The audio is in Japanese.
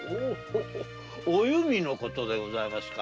お弓のことでございますか？